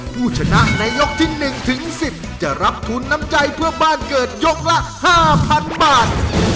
ผู้ชนะในยกที่๑ถึง๑๐จะรับทุนน้ำใจเพื่อบ้านเกิดยกละ๕๐๐๐บาท